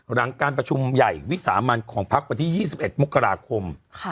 หลังการประชุมใหญ่วิสามันของพักวันที่๒๑มกราคม